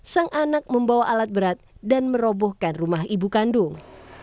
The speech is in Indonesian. sang anak membawa alat berat dan merobohkan rumah ibu kandung